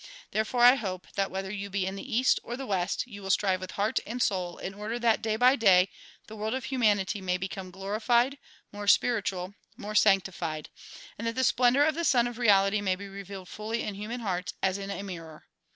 Therefore I hope that whether you be in the east or the west you will strive with heart and soul in order that day by day the world of humanity may become glori fied, more spiritual, more sanctified; and that the splendor of the Sun of Reality may be revealed fully in human hearts as in a mir ror.